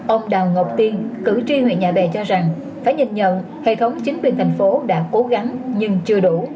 ông đào ngọc tiên cử tri huyện nhà bè cho rằng phải nhìn nhận hệ thống chính quyền thành phố đã cố gắng nhưng chưa đủ